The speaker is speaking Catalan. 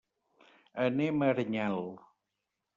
Anem a Aranyel.